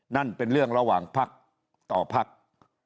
นั่นเป็นเรื่องระหว่างภักดิ์ต่อภักดิ์